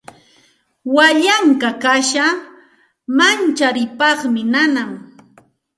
Wallankuy kasha mancharipaqmi nanan.